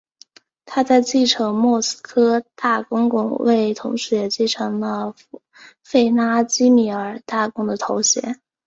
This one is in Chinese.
他在继承莫斯科大公公位同时也继承了弗拉基米尔大公的头衔。